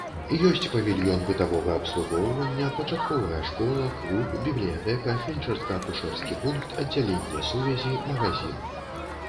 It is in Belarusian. Ёсць павільён бытавога абслугоўвання, пачатковая школа, клуб, бібліятэка, фельчарска-акушэрскі пункт, аддзяленне сувязі, магазін.